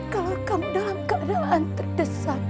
kalau kamu dalam keadaan terdesak